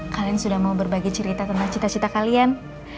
kalian sudah mau berbagi cerita tentang cita cita kalian